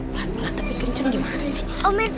pelan pelan tapi kenceng gimana sih